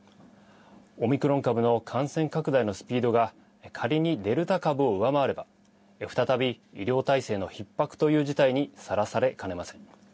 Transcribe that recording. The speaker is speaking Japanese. オミクロン株の感染拡大のスピードが仮にデルタ株を上回れば再び医療体制のひっ迫という事態にさらされかねません。